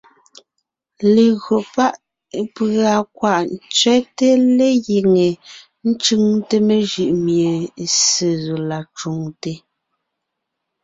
Legÿo tà pʉ̀a kwaʼ ntsẅɛ́te légíŋe ńcʉŋte mejʉʼ mie Ssé zɔ la cwoŋte,